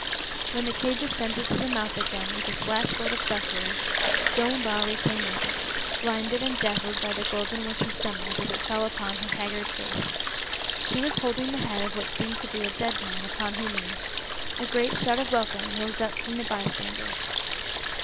When the cage ascended to the mouth again with its last load of sufferers, Joan Lowrie came with it, blinded and dazzled by the golden winter's sunlight as it fell upon her haggard face. She was holding the head of what seemed to be a dead man upon her knee. A great shout of welcome rose up from the bystanders.